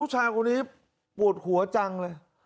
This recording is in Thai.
ผู้ชายคนนี้ปวดหัวจังเลย